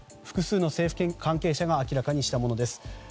複数の政府関係者が明らかにしたものです。